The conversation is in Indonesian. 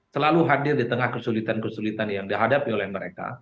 selalu hadir di tengah kesulitan kesulitan yang dihadapi oleh mereka